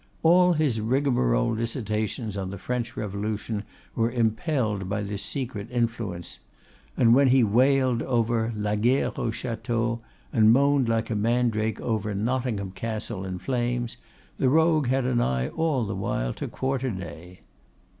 All his rigmarole dissertations on the French revolution were impelled by this secret influence; and when he wailed over 'la guerre aux châteaux,' and moaned like a mandrake over Nottingham Castle in flames, the rogue had an eye all the while to quarter day!